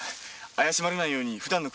怪しまれないよう普通に。